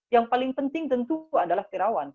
yang paling penting tentu adalah perawan